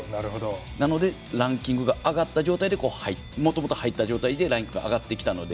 なのでランキングが上がった状態でもともと、入った状態でランキングが上がってきたので。